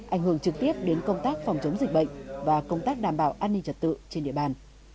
ảnh hưởng trực tiếp đến công tác phòng chống dịch bệnh và công tác đảm bảo an ninh trật tự trên địa bàn